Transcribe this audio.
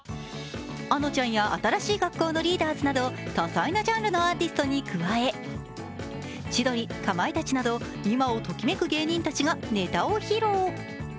あのちゃんや新しい学校のリーダーズなど多彩なジャンルのアーティストに加え、千鳥、かまいたちなど今をときめく芸人たちがネタを披露。